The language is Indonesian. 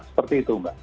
seperti itu mbak